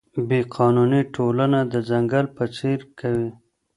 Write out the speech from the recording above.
بې قانوني ټولنه د ځنګل په څېر کوي.